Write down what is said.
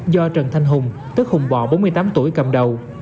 do trần thanh hùng tức hùng bò bốn mươi tám tuổi cầm đầu